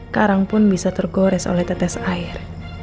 karang pun bisa tergores oleh tetes air